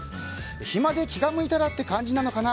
暇で気が向いたらって感じなのかな。